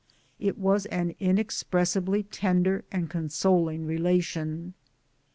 It was an inexpressibly tender and con soling relation.